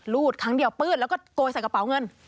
รูดครั้งเดียวปื้นแล้วก็โกยใส่กระเป๋าเงิน